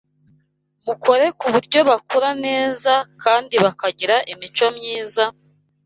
Mukore ku buryo bakura neza kandi bakagira imico myiza,